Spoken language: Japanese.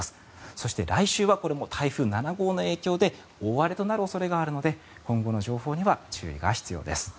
そして、来週は台風７号の影響で大荒れとなる恐れがあるので今後の情報には注意が必要です。